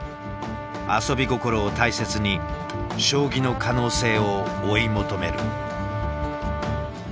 「遊び心」を大切に将棋の可能性を追い求める。